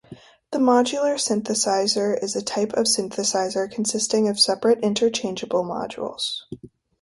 The modular synthesizer is a type of synthesizer consisting of separate interchangeable modules.